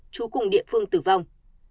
trú cùng địa phương tử vong